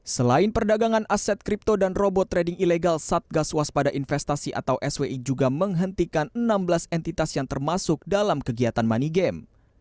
selain perdagangan aset kripto dan robot trading ilegal satgas waspada investasi atau swi juga menghentikan enam belas entitas yang termasuk dalam kegiatan money game